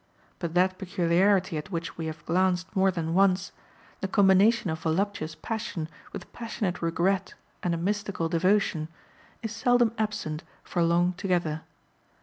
But that peculiarity at which we have glanced more than once, the combination of voluptuous passion with passionate regret and a mystical devotion, is seldom absent for long together.